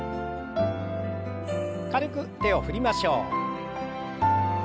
軽く手を振りましょう。